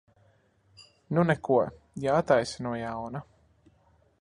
Nu neko, jātaisa no jauna.